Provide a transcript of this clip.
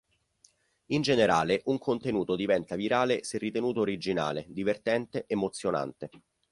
In generale un contenuto diventa virale se ritenuto originale, divertente, emozionante.